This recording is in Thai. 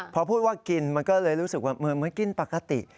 พอพูดว่ากินมันก็เลยรู้สึกว่าเหมือนกินปกติ